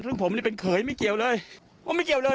ซึ่งผมนี่เป็นเขยไม่เกี่ยวเลยผมไม่เกี่ยวเลย